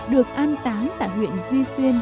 được an táng tại huyện duy xuyên